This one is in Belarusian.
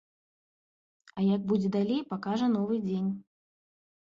А як будзе далей, пакажа новы дзень.